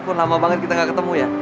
aku lama banget kita gak ketemu ya